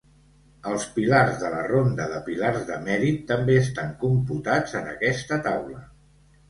Els pilars de la ronda de pilars de mèrit també estan computats en aquesta taula.